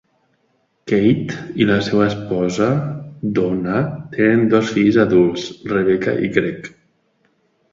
Keith i la seva esposa, Donna, tenen dos fills adults, Rebecca i Greg.